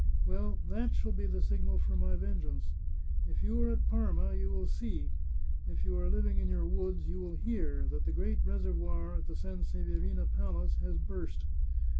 Well, that shall be the signal for my vengeance. If you are at Parma you will see, if you are living in your woods you will hear, that the great reservoir at the Sanse verina Palace has burst.